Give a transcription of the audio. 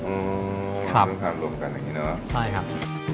อืมครับลงกันอย่างงี้เนอะใช่ครับ